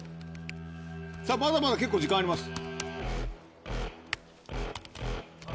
まだまだ結構時間あります。